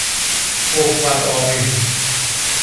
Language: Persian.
تﮩمت آمیز